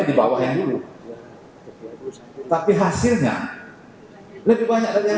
lebih banyak dari yang dulu